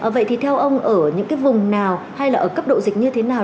vậy thì theo ông ở những cái vùng nào hay là ở cấp độ dịch như thế nào